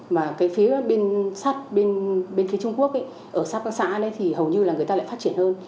mà cái phía bên sắt bên phía trung quốc ở sát các xã đấy thì hầu như là người ta lại phát triển hơn